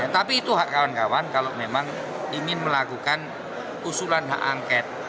tapi itu hak kawan kawan kalau memang ingin melakukan usulan hak angket